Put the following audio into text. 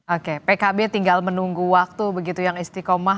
oke pkb tinggal menunggu waktu begitu yang istiqomah